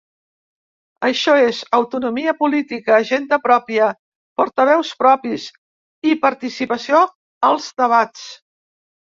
Això és: “autonomia política, agenda pròpia, portaveus propis, i participació als debats”.